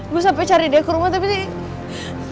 gue sampe cari dia ke rumah tapi dia